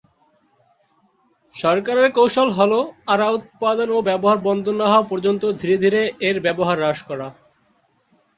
সরকারের কৌশল হলো আরা উৎপাদন ও ব্যবহার বন্ধ না হওয়া পর্যন্ত ধীরে ধীরে এর ব্যবহার হ্রাস করা।